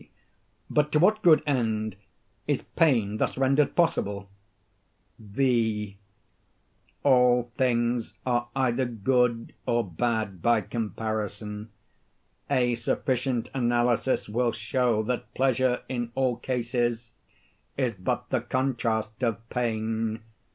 _ But to what good end is pain thus rendered possible? V. All things are either good or bad by comparison. A sufficient analysis will show that pleasure, in all cases, is but the contrast of pain.